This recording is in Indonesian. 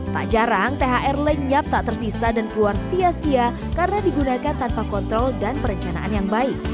tak jarang thr lenyap tak tersisa dan keluar sia sia karena digunakan tanpa kontrol dan perencanaan yang baik